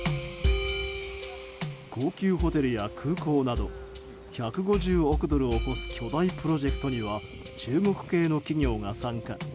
高級ホテルや空港など１５０億ドルを超す巨大プロジェクトには中国系の企業が参加。